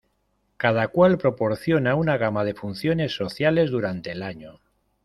Cada cual proporciona una gama de funciones sociales durante el año.